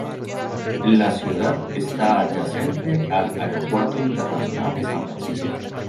La ciudad está adyacente al Aeropuerto Internacional de San Francisco.